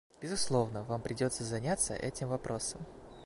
Безусловно, нам придется заняться этим вопросом.